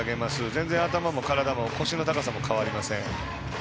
全然、頭も体も腰の高さも変わりません。